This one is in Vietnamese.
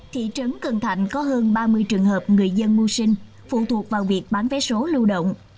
thị trấn cần thạnh có hơn ba mươi trường hợp người dân mua sinh phụ thuộc vào việc bán vé số lưu động